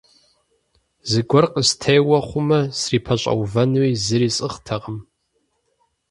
Зыгуэр къыстеуэ хъумэ, срипэщӀэувэнуи зыри сӀыгътэкъым.